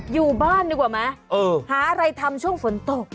อยู่บ้านดีกว่าไหมหาอะไรทำช่วงฝนตก